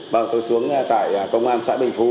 vâng tôi xuống tại công an xã bình phú